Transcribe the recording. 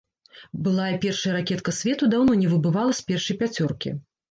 Былая першая ракетка свету даўно не выбывала з першай пяцёркі.